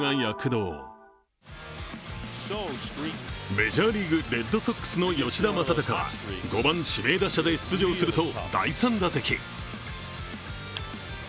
メジャーリーグレッドソックスの吉田正尚は５番・指名打者で出場すると第３打席。